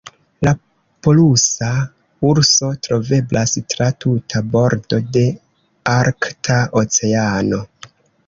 La polusa urso troveblas tra tuta bordo de Arkta Oceano.